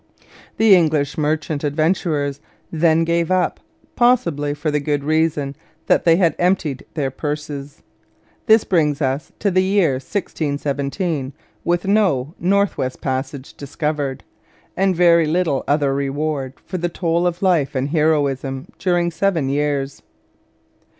The English merchant adventurers then gave up possibly for the very good reason that they had emptied their purses. This brings us to the year 1617 with no North West Passage discovered, and very little other reward for the toll of life and heroism during seven years.